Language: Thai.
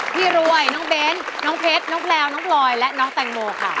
พี่รวยน้องเบ้นน้องเพชรน้องแพลวน้องพลอยและน้องแตงโมค่ะ